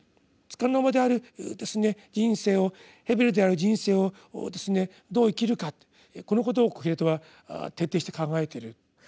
束の間である人生を「ヘベル」である人生をどう生きるかとこのことをコヘレトは徹底して考えてる。